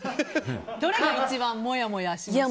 どれが一番もやもやしました？